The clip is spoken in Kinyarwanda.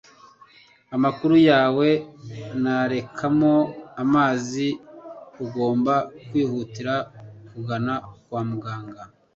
Amaguru yawe narekamo amazi, ugomba kwihutira kugana kwa muganga